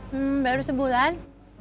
hmm baru sebulan